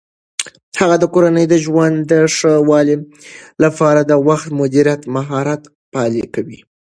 هغه د کورني ژوند د ښه والي لپاره د وخت مدیریت مهارت پلي کوي.